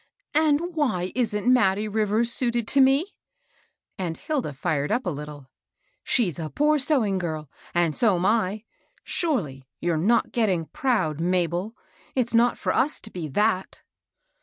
" And why isn't Mattie Rivers suited to me ?" and Hilda fired up a little. " She's a poor seWing 68 MABEL ROSS. girl, and so am L Sorely you're not getting proud, Mabel ? It's not for us to be that.''